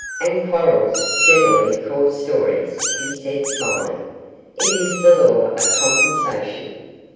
'And quarrels generally cause stories,' he said, smiling; 'it is the law of compensation.